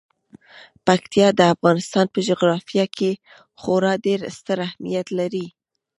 پکتیکا د افغانستان په جغرافیه کې خورا ډیر ستر اهمیت لري.